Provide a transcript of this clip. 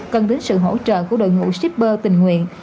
cần đến sự hỗ trợ của đội ngũ shipper tình nguyện